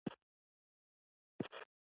زدکړې د انسان د پوهې ساحه زياتوي